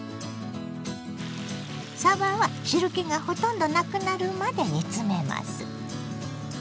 さばは汁けがほとんどなくなるまで煮詰めます。